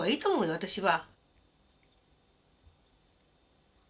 私は。